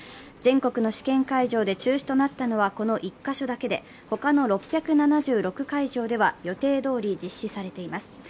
全国の試験会場で中止となったのはこの１カ所だけでほかの６７６会場では予定どおり実施されています。